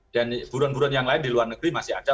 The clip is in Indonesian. dan buron buron yang lain di luar negeri masih ada